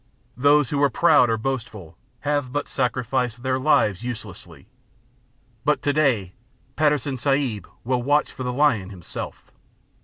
Those who were proud or boastful, have but sacrificed their lives uselessly; But to day Patterson Sahib will watch for the lion himself!